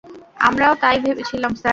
আমরাও তাই ভেবেছিলাম, স্যার।